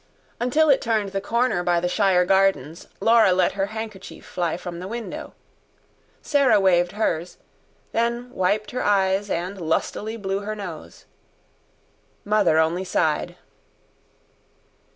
Until it turned the corner by the Shire Gardens, Laura let her handkerchief fly from the window. Sarah waved hers; then wiped her eyes and lustily blew her nose. Mother only sighed.